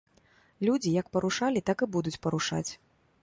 Людзі як парушалі, так і будуць парушаць.